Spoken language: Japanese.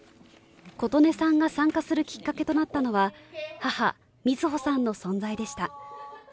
琴音さんが参加するきっかけとなったのは母・瑞穂さんの存在でした。